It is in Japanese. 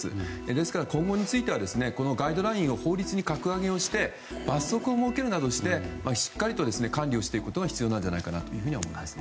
ですから、今後についてはこのガイドラインを法律に格上げして罰則を設けるなどしてしっかりと管理していくことが必要なんじゃないかと思います。